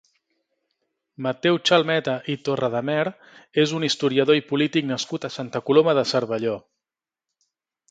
Mateu Chalmeta i Torredemer és un historiador i polític nascut a Santa Coloma de Cervelló.